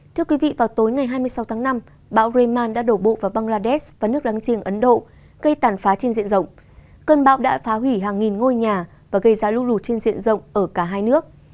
thưa quý vị vào tối ngày hai mươi sáu tháng năm bão rayman đã đổ bộ vào bangladesh và nước láng giềng ấn độ gây tàn phá trên diện rộng cơn bão đã phá hủy hàng nghìn ngôi nhà và gây ra lũ lụt trên diện rộng ở cả hai nước